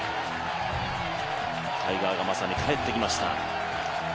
タイガーがまさに帰ってきました。